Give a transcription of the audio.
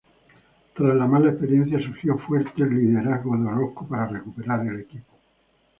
Tras la mala experiencia surgió fuerte el liderazgo de Orozco para recuperar al equipo.